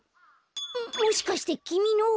もしかしてきみの？